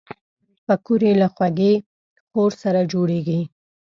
پکورې له خوږې خور سره جوړېږي